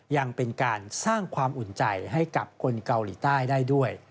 ยังเป็นการสร้างความอุ่นใจให้กับคนเกาหลีใต้ได้ด้วย